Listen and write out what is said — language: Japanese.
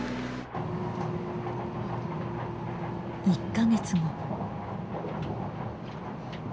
１か月後。